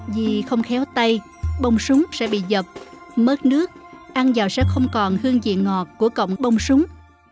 vì không khéo tay bông súng sẽ bị dập mớt nước ăn vào sẽ không còn hương vị ngọt của cổng bông súng